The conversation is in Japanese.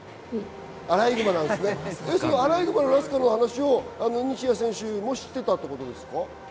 アライグマのラスカルの話を西矢選手も知ってたんですか？